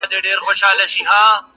خوله یې وازه کړه آواز ته سمدلاسه!.